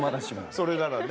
それならね。